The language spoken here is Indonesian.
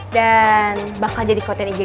dan bakal jadi koten ig gue